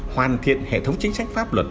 hoàn thiện hệ thống chính sách pháp luật